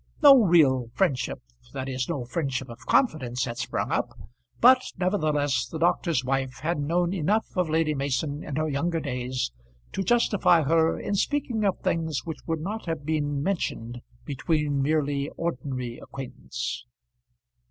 No real friendship, that is no friendship of confidence, had sprung up; but nevertheless the doctor's wife had known enough of Lady Mason in her younger days to justify her in speaking of things which would not have been mentioned between merely ordinary acquaintance.